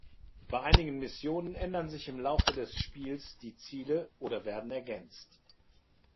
Bei einigen Missionen ändern sich im Laufe des Spiels die Ziele oder werden ergänzt.